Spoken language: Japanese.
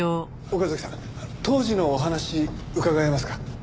岡崎さん当時のお話伺えますか？